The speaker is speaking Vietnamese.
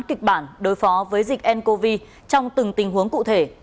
kịch bản đối phó với dịch ncov trong từng tình huống cụ thể